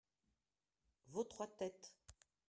Vos trois têtes.